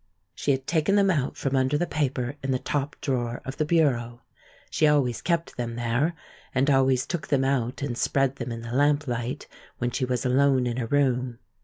She had taken them out from under the paper in the top drawer of the bureau. She always kept them there, and always took them out and spread them in the lamp light when she was alone in her room.